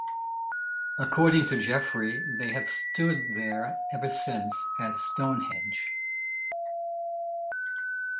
According to Geoffrey, they have stood there ever since as Stonehenge.